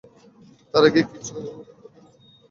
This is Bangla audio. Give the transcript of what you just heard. তারা কি কিছু করবে না?